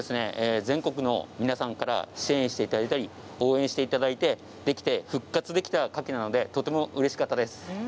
全国の皆さんから支援していただいたり応援していただいてできて復活できたカキなのでとてもうれしかったです。